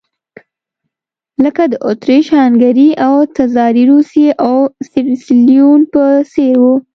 لکه د اتریش-هنګري او تزاري روسیې او سیریلیون په څېر وو.